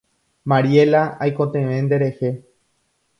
Mariela, aikotevẽ nderehe.